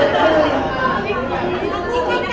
ขอบคุณค่ะพี่โฟสขอบคุณค่ะ